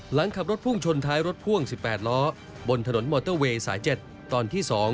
หลังขับรถพุ่งชนท้ายรถพ่วง๑๘ล้อบนถนนมอเตอร์เวย์สาย๗ตอนที่๒